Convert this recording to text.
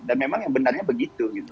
dan memang yang benarnya begitu gitu